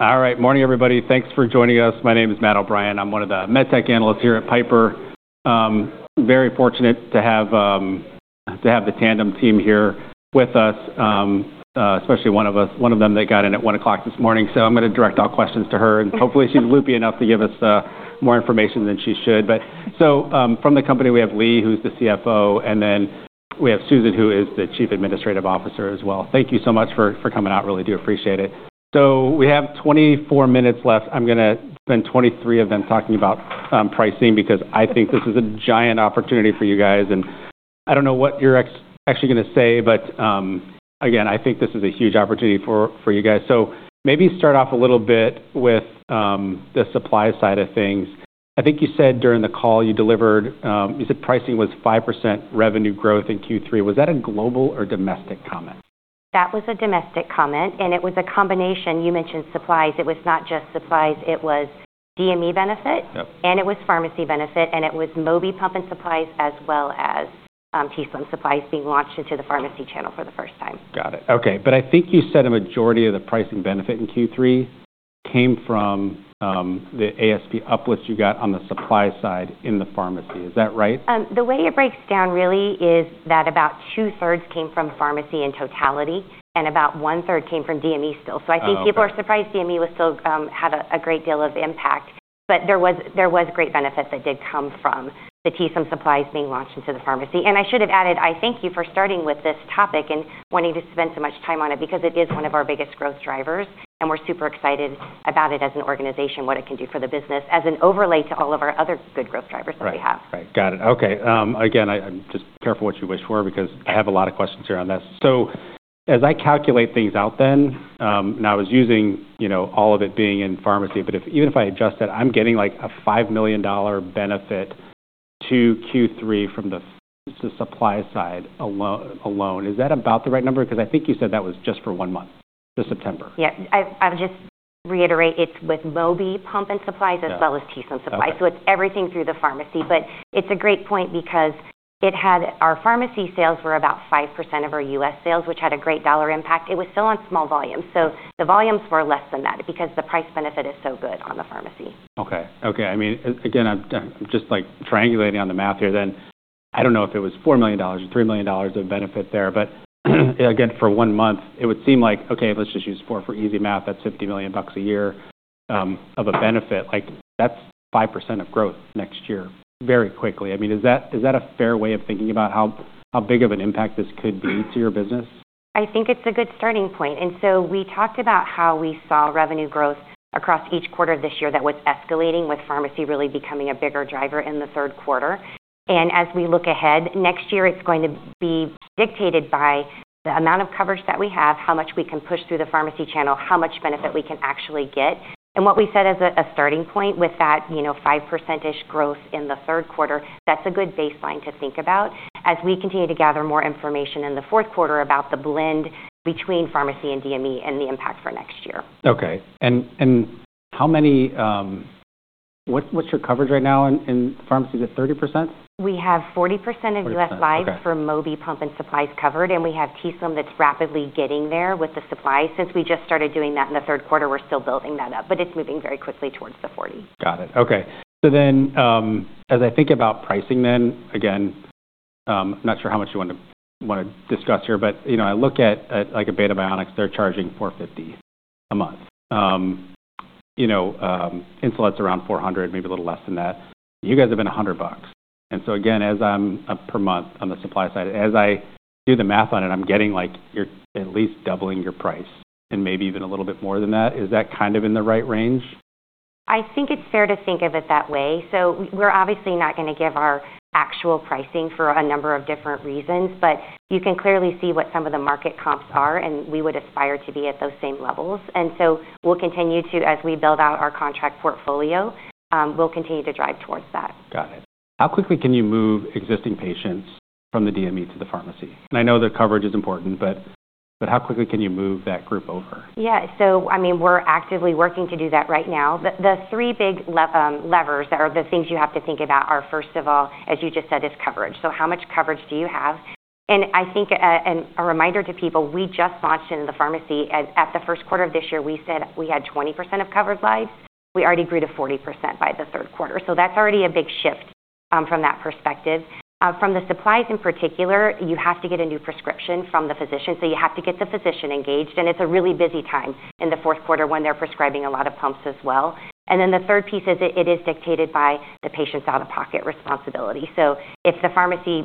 All right. Morning, everybody. Thanks for joining us. My name is Matt O'Brien. I'm one of the Med Tech Analysts here at Piper Sandler. Very fortunate to have, to have the Tandem team here with us, especially one of us, one of them that got in at 1:00 A.M. this morning. I'm gonna direct all questions to her, and hopefully she's LOOPY enough to give us more information than she should. From the company, we have Leigh, who's the CFO, and then we have Susan, who is the Chief Administrative Officer as well. Thank you so much for coming out. Really do appreciate it. We have 24 minutes left. I'm gonna spend 23 of them talking about pricing because I think this is a giant opportunity for you guys. I don't know what you're actually gonna say, but, again, I think this is a huge opportunity for you guys. Maybe start off a little bit with the supply side of things. I think you said during the call you delivered, you said pricing was 5% revenue growth in Q3. Was that a global or domestic comment? That was a domestic comment, and it was a combination. You mentioned supplies. It was not just supplies. It was DME benefit. Yep. It was pharmacy benefit, and it was Mobi Pump and supplies as well as t:slim supplies being launched into the pharmacy channel for the first time. Got it. Okay. I think you said a majority of the pricing benefit in Q3 came from the ASP uplifts you got on the supply side in the pharmacy. Is that right? The way it breaks down really is that about two-thirds came from pharmacy in totality, and about one-third came from DME still. Okay. I think people are surprised DME was still, had a great deal of impact. There was great benefit that did come from the t:slim supplies being launched into the pharmacy. I should have added, I thank you for starting with this topic and wanting to spend so much time on it because it is one of our biggest growth drivers, and we're super excited about it as an organization, what it can do for the business as an overlay to all of our other good growth drivers that we have. Right. Right. Got it. Okay. Again, I, I'm just careful what you wish for because I have a lot of questions here on this. So as I calculate things out then, and I was using, you know, all of it being in pharmacy, but if, even if I adjust that, I'm getting like a $5 million benefit to Q3 from the, the supply side alone, alone. Is that about the right number? 'Cause I think you said that was just for one month, for September. Yeah. I'll just reiterate, it's with Mobi Pump and supplies as well as t:slim supplies. Okay. It's everything through the pharmacy. It's a great point because our pharmacy sales were about 5% of our US sales, which had a great dollar impact. It was still on small volumes, so the volumes were less than that because the price benefit is so good on the pharmacy. Okay. Okay. I mean, again, I'm just like triangulating on the math here. I don't know if it was $4 million or $3 million of benefit there, but again, for one month, it would seem like, okay, let's just use four for easy math. That's $50 million a year, of a benefit. Like, that's 5% of growth next year very quickly. I mean, is that, is that a fair way of thinking about how, how big of an impact this could be to your business? I think it's a good starting point. We talked about how we saw revenue growth across each quarter of this year that was escalating with pharmacy really becoming a bigger driver in the third quarter. As we look ahead, next year it's going to be dictated by the amount of coverage that we have, how much we can push through the pharmacy channel, how much benefit we can actually get. What we said as a starting point with that, you know, 5%-ish growth in the third quarter, that's a good baseline to think about as we continue to gather more information in the fourth quarter about the blend between pharmacy and DME and the impact for next year. Okay. And how many, what's your coverage right now in pharmacy? Is it 30%? We have 40% of U.S. lives. Okay. For Mobi Pump and supplies covered, and we have t:slim that's rapidly getting there with the supply. Since we just started doing that in the third quarter, we're still building that up, but it's moving very quickly towards the 40. Got it. Okay. As I think about pricing then, again, I'm not sure how much you wanna, wanna discuss here, but, you know, I look at, at like a Beta Bionics, they're charging $450 a month. You know, insulin's around $400, maybe a little less than that. You guys have been $100. And so again, as I'm, per month on the supply side, as I do the math on it, I'm getting like you're at least doubling your price and maybe even a little bit more than that. Is that kind of in the right range? I think it's fair to think of it that way. We're obviously not gonna give our actual pricing for a number of different reasons, but you can clearly see what some of the market comps are, and we would aspire to be at those same levels. We will continue to, as we build out our contract portfolio, continue to drive towards that. Got it. How quickly can you move existing patients from the DME to the pharmacy? I know the coverage is important, but how quickly can you move that group over? Yeah. I mean, we're actively working to do that right now. The three big levers that are the things you have to think about are, first of all, as you just said, is coverage. So how much coverage do you have? I think, and a reminder to people, we just launched in the pharmacy at the first quarter of this year, we said we had 20% of covered lives. We already grew to 40% by the third quarter. That's already a big shift from that perspective. From the supplies in particular, you have to get a new prescription from the physician. So you have to get the physician engaged, and it's a really busy time in the fourth quarter when they're prescribing a lot of pumps as well. The third piece is it is dictated by the patient's out-of-pocket responsibility. If the pharmacy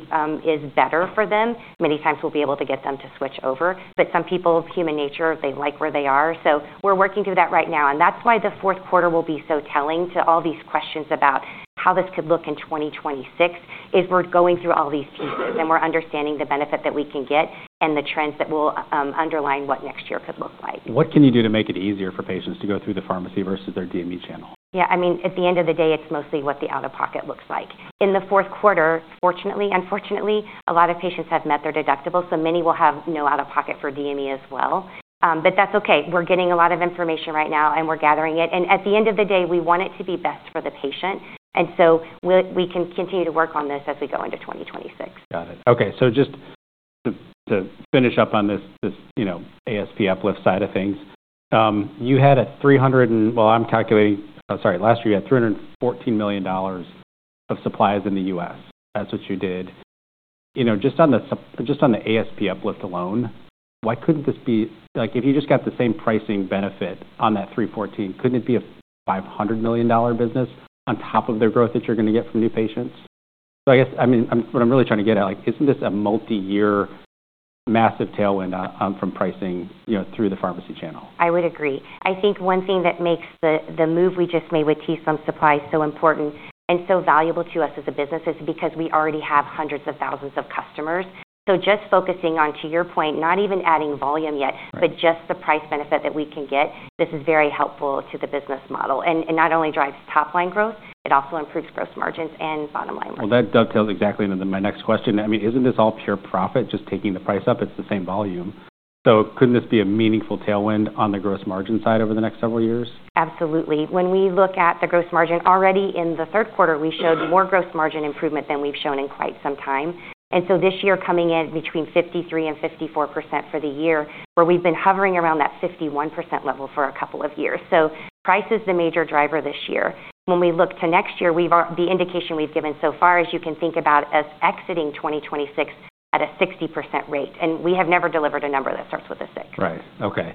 is better for them, many times we'll be able to get them to switch over. Some people, human nature, they like where they are. We're working through that right now. That is why the fourth quarter will be so telling to all these questions about how this could look in 2026 as we're going through all these pieces, and we're understanding the benefit that we can get and the trends that will underline what next year could look like. What can you do to make it easier for patients to go through the pharmacy versus their DME channel? Yeah. I mean, at the end of the day, it's mostly what the out-of-pocket looks like. In the fourth quarter, fortunately, unfortunately, a lot of patients have met their deductible, so many will have no out-of-pocket for DME as well. That's okay. We're getting a lot of information right now, and we're gathering it. At the end of the day, we want it to be best for the patient. We can continue to work on this as we go into 2026. Got it. Okay. Just to finish up on this, this, you know, ASP uplift side of things, you had a 300 and, well, I'm calculating, sorry, last year you had $340 million of supplies in the U.S. That's what you did. You know, just on the sup, just on the ASP uplift alone, why couldn't this be like, if you just got the same pricing benefit on that 314, couldn't it be a $500 million business on top of the growth that you're gonna get from new patients? I guess, I mean, I'm, what I'm really trying to get at, like, isn't this a multi-year massive tailwind, from pricing, you know, through the pharmacy channel? I would agree. I think one thing that makes the move we just made with t:slim supplies so important and so valuable to us as a business is because we already have hundreds of thousands of customers. Just focusing on, to your point, not even adding volume yet. Right. Just the price benefit that we can get, this is very helpful to the business model, and not only drives top-line growth, it also improves gross margins and bottom-line margins. That dovetails exactly into my next question. I mean, isn't this all pure profit just taking the price up? It's the same volume. So couldn't this be a meaningful tailwind on the gross margin side over the next several years? Absolutely. When we look at the gross margin, already in the third quarter, we showed more gross margin improvement than we've shown in quite some time. This year, coming in between 53%-54% for the year, where we've been hovering around that 51% level for a couple of years. Price is the major driver this year. When we look to next year, all the indication we've given so far is you can think about us exiting 2026 at a 60% rate. We have never delivered a number that starts with a 6. Right. Okay.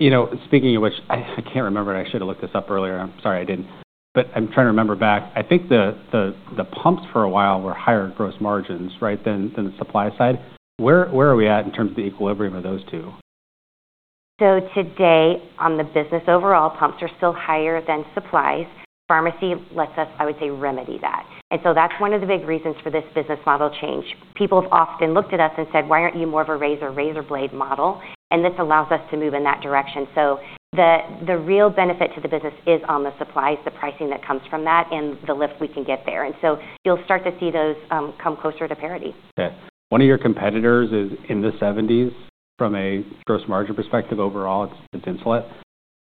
You know, speaking of which, I can't remember. I should have looked this up earlier. I'm sorry I didn't, but I'm trying to remember back. I think the pumps for a while were higher gross margins, right, than the supply side. Where are we at in terms of the equilibrium of those two? Today, on the business overall, pumps are still higher than supplies. Pharmacy lets us, I would say, remedy that. That is one of the big reasons for this business model change. People have often looked at us and said, "Why aren't you more of a razor, razor blade model?" This allows us to move in that direction. The real benefit to the business is on the supplies, the pricing that comes from that, and the lift we can get there. You will start to see those come closer to parity. Okay. One of your competitors is in the 70s from a gross margin perspective overall, it's, it's Insulet.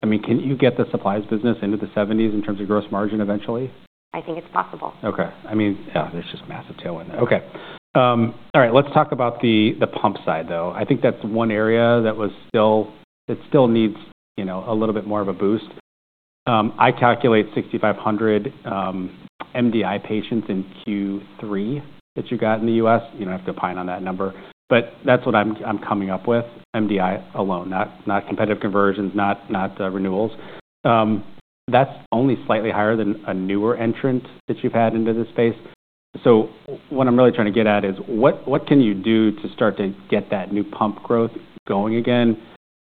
I mean, can you get the supplies business into the 70s in terms of gross margin eventually? I think it's possible. Okay. I mean, yeah, there's just massive tailwind there. Okay. All right. Let's talk about the pump side though. I think that's one area that still needs, you know, a little bit more of a boost. I calculate 6,500 MDI patients in Q3 that you got in the U.S. You don't have to opine on that number, but that's what I'm coming up with, MDI alone, not competitive conversions, not renewals. That's only slightly higher than a newer entrant that you've had into this space. So what I'm really trying to get at is what can you do to start to get that new pump growth going again?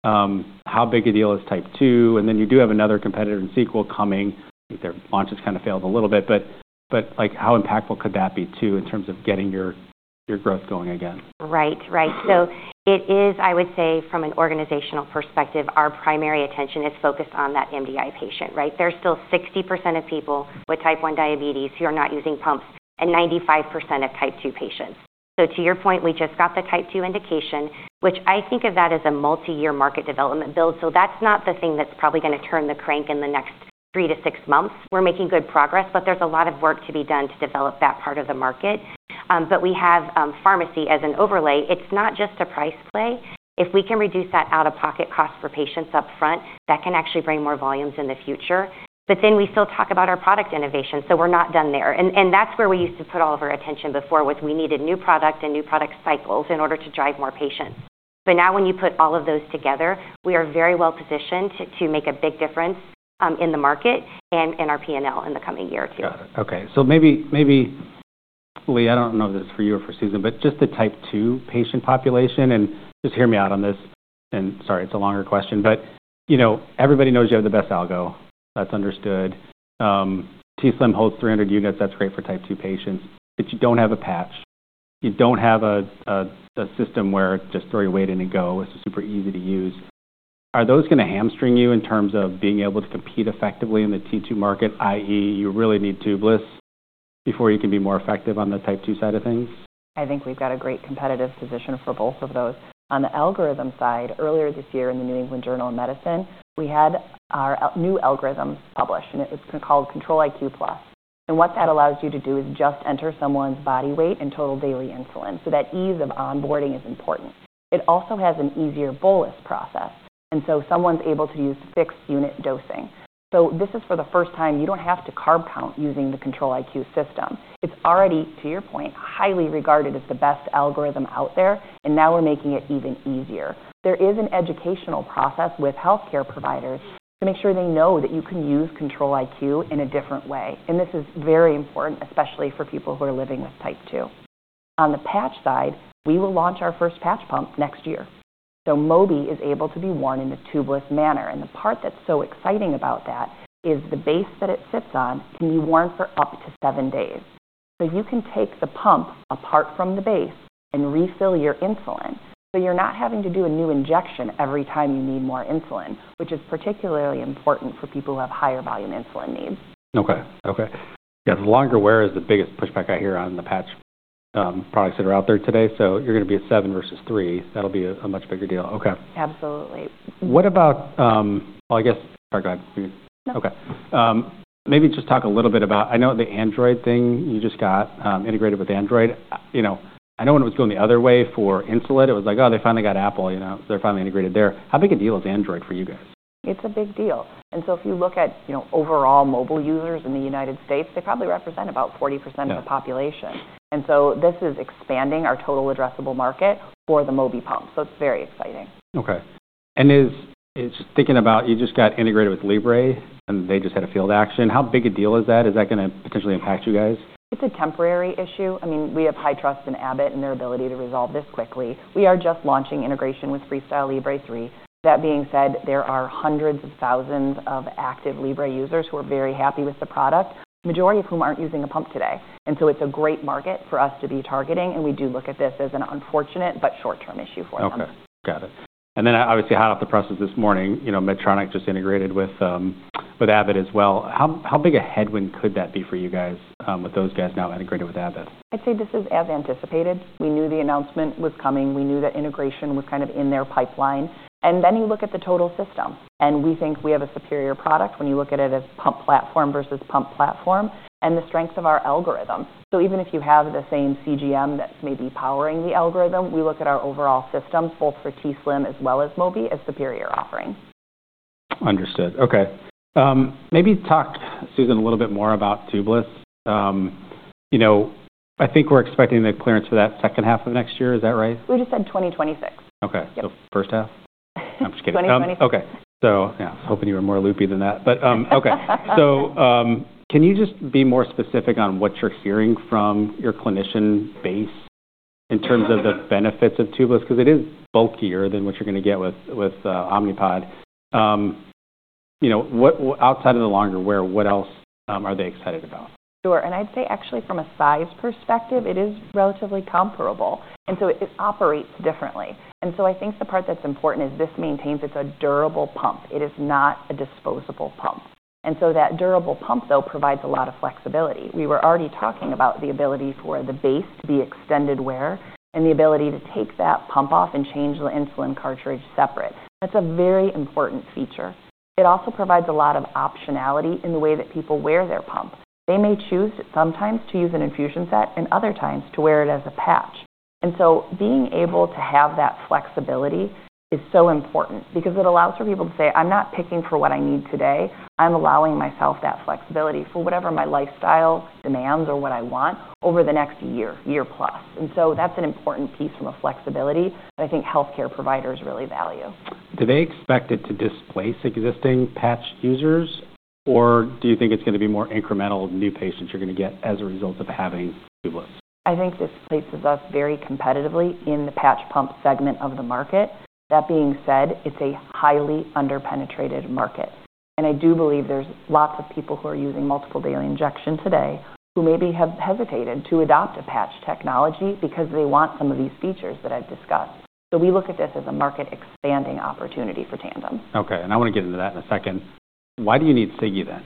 How big a deal is type 2? And then you do have another competitor in SQL coming. I think their launch has kind of failed a little bit, but like, how impactful could that be too in terms of getting your growth going again? Right. Right. So it is, I would say, from an organizational perspective, our primary attention is focused on that MDI patient, right? There's still 60% of people with type 1 diabetes who are not using pumps and 95% of type 2 patients. To your point, we just got the type 2 indication, which I think of that as a multi-year market development build. That is not the thing that's probably gonna Turn the Crank in the next three to six months. We're making good progress, but there's a lot of work to be done to develop that part of the market. We have pharmacy as an overlay. It's not just a price play. If we can reduce that out-of-pocket cost for patients upfront, that can actually bring more volumes in the future. We still talk about our product innovation, so we're not done there. That is where we used to put all of our attention before, was we needed new product and new product cycles in order to drive more patients. Now when you put all of those together, we are very well positioned to make a big difference in the market and in our P&L in the coming year too. Got it. Okay. Maybe, Leigh, I do not know if this is for you or for Susan, but just the type 2 patient population, and just hear me out on this. Sorry, it is a longer question, but, you know, everybody knows you have the best algo. That is understood. t:slim holds 300 units. That is great for type 2 patients. You do not have a Patch. You do not have a system where you just throw your weight in and go. It is super easy to use. Are those going to hamstring you in terms of being able to compete effectively in the T2 market, i.e., you really need tubeless before you can be more effective on the type 2 side of things? I think we've got a great competitive position for both of those. On the algorithm side, earlier this year in the New England Journal of Medicine, we had our new algorithm published, and it was called Control-IQ Plus. What that allows you to do is just enter someone's body weight and total daily insulin. That ease of onboarding is important. It also has an easier bolus process. Someone's able to use fixed unit dosing. This is for the first time. You don't have to carb count using the Control-IQ system. It's already, to your point, highly regarded as the best algorithm out there, and now we're making it even easier. There is an educational process with healthcare providers to make sure they know that you can use Control-IQ in a different way. This is very important, especially for people who are living with type 2. On the patch side, we will launch our first patch pump next year. Mobi is able to be worn in a tubeless manner. The part that's so exciting about that is the base that it sits on can be worn for up to seven days. You can take the pump apart from the base and refill your insulin. You're not having to do a new injection every time you need more insulin, which is particularly important for people who have higher volume insulin needs. Okay. Okay. Yeah. The longer wear is the biggest pushback I hear on the patch, products that are out there today. You're gonna be a 7 versus 3. That'll be a, a much bigger deal. Okay. Absolutely. What about, I guess, sorry, go ahead. No. Okay. Maybe just talk a little bit about, I know the Android thing you just got, Android integration. You know, I know when it was going the other way for insulin, it was like, "Oh, they finally got Apple," you know, "They're finally integrated there." How big a deal is Android for you guys? It's a big deal. If you look at, you know, overall mobile users in the United States, they probably represent about 40% of the population. This is expanding our total addressable market for the Mobi pump. It is very exciting. Okay. Is thinking about you just got integrated with Libre, and they just had a field action. How big a deal is that? Is that gonna potentially impact you guys? It's a temporary issue. I mean, we have high trust in Abbott and their ability to resolve this quickly. We are just launching integration with FreeStyle Libre 3. That being said, there are hundreds of thousands of active Libre Users who are very happy with the product, the majority of whom aren't using a pump today. It is a great market for us to be targeting. We do look at this as an unfortunate but short-term issue for them. Okay. Got it. Obviously, hot off the presses this morning, you know, Medtronic just integrated with, with Abbott as well. How, how big a headwind could that be for you guys, with those guys now integrated with Abbott? I'd say this is as anticipated. We knew the announcement was coming. We knew that integration was kind of in their pipeline. You look at the total system, and we think we have a superior product when you look at it as pump platform versus pump platform and the strength of our algorithm. Even if you have the same CGM that's maybe powering the algorithm, we look at our overall systems, both for t:slim as well as Mobi, as superior offering. Understood. Okay. Maybe talk, Susan, a little bit more about tubeless. You know, I think we're expecting the clearance for that second half of next year. Is that right? We just said 2026. Okay. Yep. First half? I'm just kidding. 2026. Okay. Yeah, I was hoping you were more loopy than that. Okay. Can you just be more specific on what you're hearing from your clinician base in terms of the benefits of tubeless? 'Cause it is bulkier than what you're gonna get with Omnipod. You know, what outside of the longer wear, what else are they excited about? Sure. I'd say actually from a size perspective, it is relatively comparable. It operates differently. I think the part that's important is this maintains it's a durable pump. It is not a disposable pump. That durable pump though provides a lot of flexibility. We were already talking about the ability for the base to be extended wear and the ability to take that pump off and change the insulin cartridge separate. That's a very important feature. It also provides a lot of optionality in the way that people wear their pump. They may choose sometimes to use an infusion set and other times to wear it as a patch. Being able to have that flexibility is so important because it allows for people to say, "I'm not picking for what I need today. I'm allowing myself that flexibility for whatever my lifestyle demands or what I want over the next year, year plus. That's an important piece from a flexibility that I think healthcare providers really value. Do they expect it to displace existing Patch Users, or do you think it's gonna be more incremental new patients you're gonna get as a result of having tubeless? I think this places us very competitively in the Patch pump segment of the market. That being said, it is a highly underpenetrated market. I do believe there are lots of people who are using multiple daily injection today who maybe have hesitated to adopt a Patch technology because they want some of these features that I have discussed. We look at this as a market expanding opportunity for Tandem. Okay. I wanna get into that in a second. Why do you need Sigi then?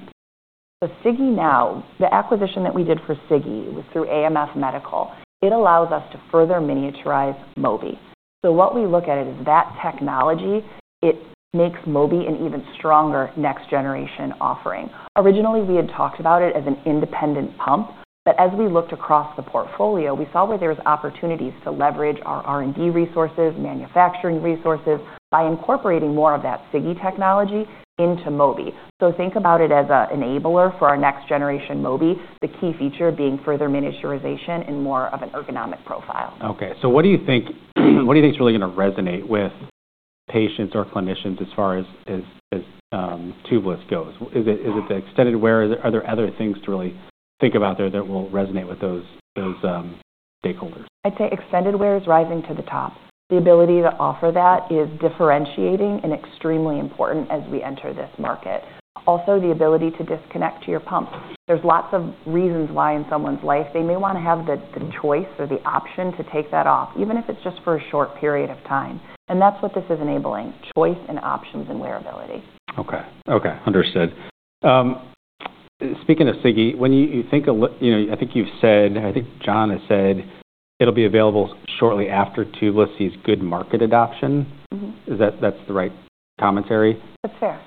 The Sigi now, the acquisition that we did for Sigi was through AMF Medical. It allows us to further miniaturize Mobi. What we look at is that technology. It makes Mobi an even stronger next-generation offering. Originally, we had talked about it as an independent pump, but as we looked across the portfolio, we saw where there's opportunities to leverage our R&D resources, manufacturing resources by incorporating more of that Sigi technology into Mobi. Think about it as an enabler for our next-generation Mobi, the key feature being further miniaturization and more of an ergonomic profile. Okay. What do you think's really gonna resonate with patients or clinicians as far as tubeless goes? Is it the extended wear? Are there other things to really think about there that will resonate with those stakeholders? I'd say extended wear is rising to the top. The ability to offer that is differentiating and extremely important as we enter this market. Also, the ability to disconnect your pump. There's lots of reasons why in someone's life they may wanna have the, the choice or the option to take that off, even if it's just for a short period of time. That's what this is enabling: choice and options and wearability. Okay. Okay. Understood. Speaking of Sigi, when you, you think a l you know, I think you've said, I think John has said it'll be available shortly after tubeless sees good market adoption. Mm-hmm. Is that, that's the right commentary? That's fair.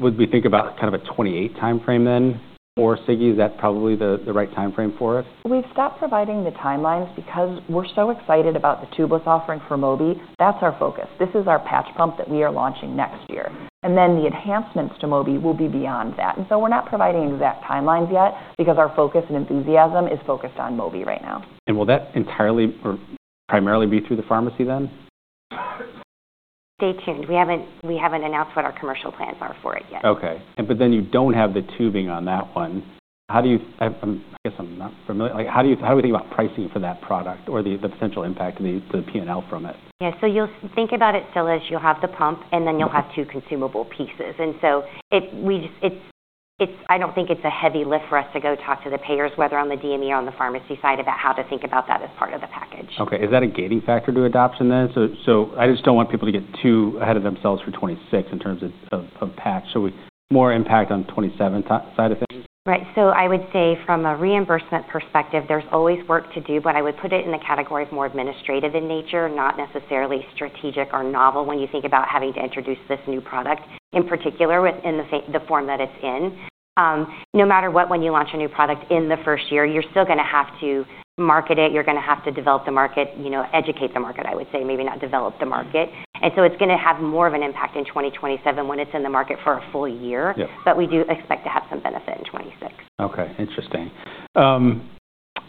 Would we think about kind of a 2028 timeframe then for Sigi? Is that probably the, the right timeframe for us? We've stopped providing the timelines because we're so excited about the tubeless offering for Mobi. That's our focus. This is our Patch Pump that we are launching next year. The enhancements to Mobi will be beyond that. We're not providing exact timelines yet because our focus and enthusiasm is focused on Mobi right now. Will that entirely or primarily be through the pharmacy then? Stay tuned. We haven't announced what our commercial plans are for it yet. Okay. You do not have the tubing on that one. How do you, I guess I am not familiar. How do you, how do we think about pricing for that product or the potential impact of the P&L from it? Yeah. You'll think about it still as you'll have the pump, and then you'll have two consumable pieces. I don't think it's a heavy lift for us to go talk to the payers, whether on the DME or on the pharmacy side about how to think about that as part of the package. Okay. Is that a gating factor to adoption then? I just don't want people to get too ahead of themselves for 2026 in terms of Patch. So we more impact on 2027 side of things? Right. I would say from a reimbursement perspective, there's always work to do, but I would put it in the category of more administrative in nature, not necessarily strategic or novel when you think about having to introduce this new product in particular within the same, the form that it's in. No matter what, when you launch a new product in the first year, you're still gonna have to market it. You're gonna have to develop the market, you know, educate the market, I would say, maybe not develop the market. It's gonna have more of an impact in 2027 when it's in the market for a full year. Yeah. We do expect to have some benefit in 2026. Okay. Interesting.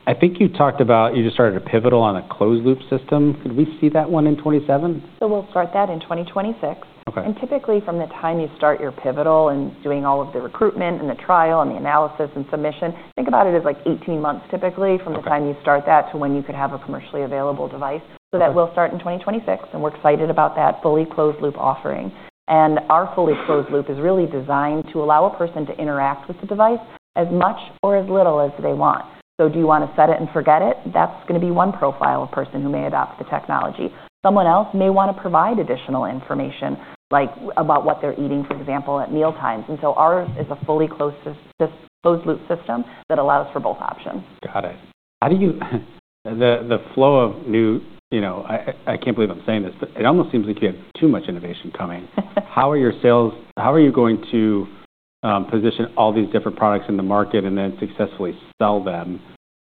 I think you talked about you just started a pivotal on a closed-loop system. Could we see that one in 2027? We'll start that in 2026. Okay. Typically from the time you start your pivotal and doing all of the recruitment and the trial and the analysis and submission, think about it as like 18 months typically from the time you start that to when you could have a commercially available device. That will start in 2026, and we're excited about that fully closed-loop offering. Our fully closed-loop is really designed to allow a person to interact with the device as much or as little as they want. Do you wanna set it and forget it? That's gonna be one profile of person who may adopt the technology. Someone else may wanna provide additional information like about what they're eating, for example, at meal times. Ours is a fully closed-loop system that allows for both options. Got it. How do you, the flow of new, you know, I can't believe I'm saying this, but it almost seems like you have too much innovation coming. How are your sales, how are you going to position all these different products in the market and then successfully sell them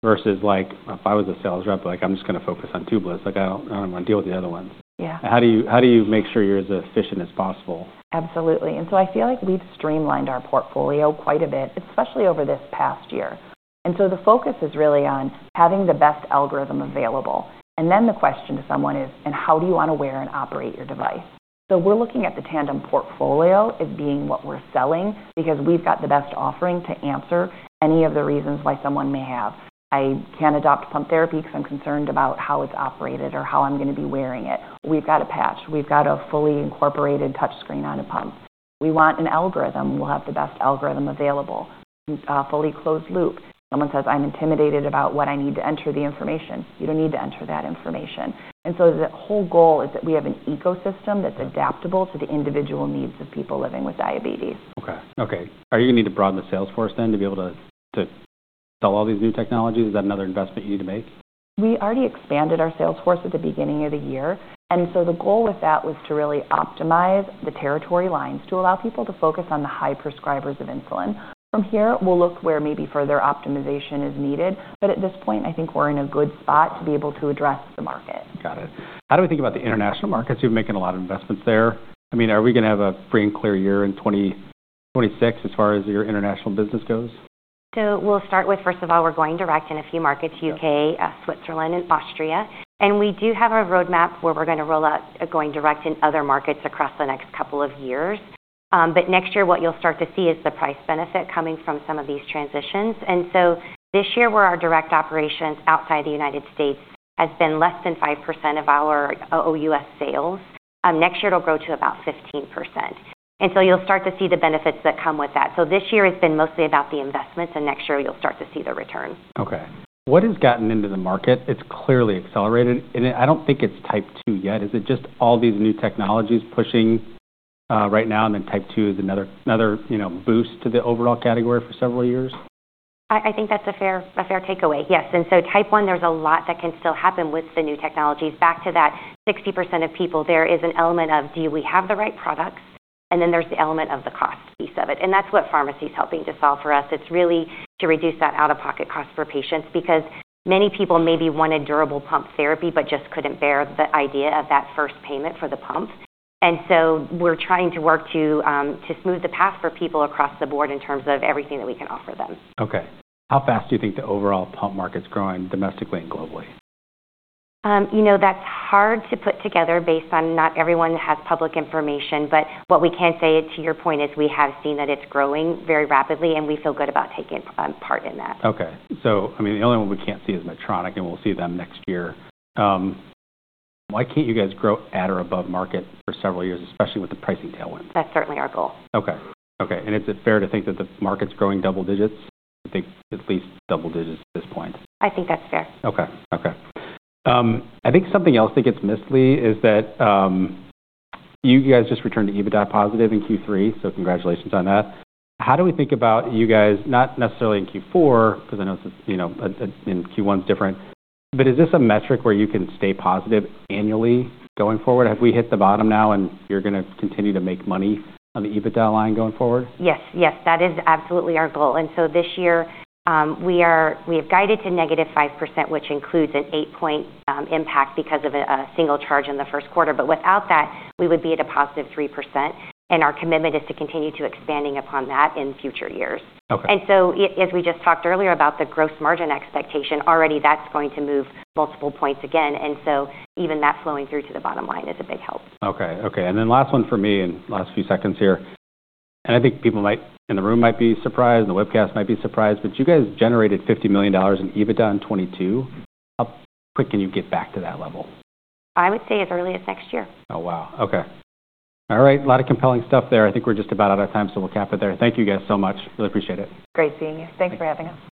versus like if I was a sales rep, like, "I'm just gonna focus on tubeless. Like, I don't, I don't wanna deal with the other ones. Yeah. How do you make sure you're as efficient as possible? Absolutely. I feel like we've streamlined our portfolio quite a bit, especially over this past year. The focus is really on having the best algorithm available. The question to someone is, "And how do you wanna wear and operate your device?" We're looking at the Tandem portfolio as being what we're selling because we've got the best offering to answer any of the reasons why someone may have, "I can't adopt pump therapy 'cause I'm concerned about how it's operated or how I'm gonna be wearing it." We've got a Patch. We've got a fully incorporated touchscreen on a pump. We want an algorithm. We'll have the best algorithm available. Fully closed-loop. Someone says, "I'm intimidated about what I need to enter the information." You don't need to enter that information. The whole goal is that we have an ecosystem that's adaptable to the individual needs of people living with diabetes. Okay. Okay. Are you gonna need to broaden the sales force then to be able to, to sell all these new technologies? Is that another investment you need to make? We already expanded our sales force at the beginning of the year. The goal with that was to really optimize the territory lines to allow people to focus on the high prescribers of insulin. From here, we'll look where maybe further optimization is needed. At this point, I think we're in a good spot to be able to address the market. Got it. How do we think about the international markets? You're making a lot of investments there. I mean, are we gonna have a free and clear year in 2026 as far as your international business goes? We'll start with, first of all, we're going direct in a few markets: U.K., Switzerland, and Austria. We do have a roadmap where we're gonna roll out going direct in other markets across the next couple of years. Next year, what you'll start to see is the price benefit coming from some of these transitions. This year, where our direct operations outside the United States has been less than 5% of our OUS sales, next year it'll grow to about 15%. You'll start to see the benefits that come with that. This year has been mostly about the investments, and next year you'll start to see the return. Okay. What has gotten into the market? It's clearly accelerated, and I don't think it's type 2 yet. Is it just all these new technologies pushing, right now, and then type 2 is another, another, you know, boost to the overall category for several years? I think that's a fair, a fair takeaway. Yes. Type 1, there's a lot that can still happen with the new technologies. Back to that 60% of people, there is an element of, "Do we have the right products?" Then there's the element of the cost piece of it. That's what pharmacy's helping to solve for us. It's really to reduce that out-of-pocket cost for patients because many people maybe wanted durable pump therapy but just couldn't bear the idea of that first payment for the pump. We're trying to work to smooth the path for people across the board in terms of everything that we can offer them. Okay. How fast do you think the overall pump market's growing domestically and globally? You know, that's hard to put together based on not everyone has public information. What we can say to your point is we have seen that it's growing very rapidly, and we feel good about taking part in that. Okay. I mean, the only one we can't see is Medtronic, and we'll see them next year. Why can't you guys grow at or above market for several years, especially with the pricing tailwinds? That's certainly our goal. Okay. Okay. Is it fair to think that the market's growing double digits? I think at least double digits at this point. I think that's fair. Okay. Okay. I think something else that gets missed, Leigh, is that you guys just returned to EBITDA positive in Q3, so congratulations on that. How do we think about you guys, not necessarily in Q4 'cause I know it's, you know, in Q1's different. Is this a metric where you can stay positive annually going forward? Have we hit the bottom now, and you're gonna continue to make money on the EBITDA line going forward? Yes. Yes. That is absolutely our goal. This year, we have guided to negative 5%, which includes an 8-point impact because of a single charge in the first quarter. Without that, we would be at a positive 3%. Our commitment is to continue to expanding upon that in future years. Okay. As we just talked earlier about the gross margin expectation, already that's going to move multiple points again. Even that flowing through to the bottom line is a big help. Okay. Okay. Last one for me in the last few seconds here. I think people in the room might be surprised, the webcast might be surprised, but you guys generated $50 million in EBITDA in 2022. How quick can you get back to that level? I would say as early as next year. Oh, wow. Okay. All right. A lot of compelling stuff there. I think we're just about out of time, so we'll cap it there. Thank you guys so much. Really appreciate it. Great seeing you. Thanks for having us.